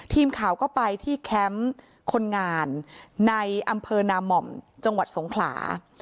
ทีมข่าวก็ไปที่แคมป์คนงานในอำเภอนาม่อมจังหวัดสงขลา